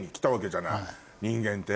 人間って。